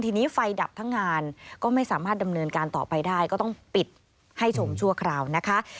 ทีนี้ไฟดับทั้งงานก็ไม่สามารถดำเนินการต่อไปได้ก็ต้องปิดให้ชมชั่วคราวนะคะ